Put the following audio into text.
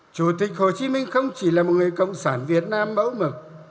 chủ tịch hồ chí minh không chỉ là một người cộng sản việt nam bẫu mực